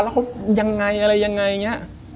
แล้วครบยังไงอะไรยังไง